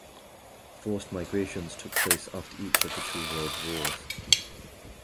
Forced migrations took place after each of the two world wars.